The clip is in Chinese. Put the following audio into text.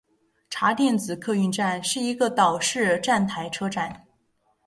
茶店子客运站是一个岛式站台车站。